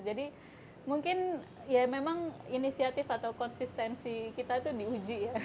jadi mungkin ya memang inisiatif atau konsistensi kita itu diuji ya